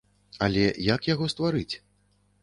Але як яго стварыць?